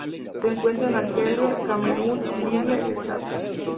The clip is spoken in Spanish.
Se encuentra en Argelia, Camerún, Libia y el Chad.